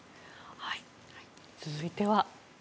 続いては。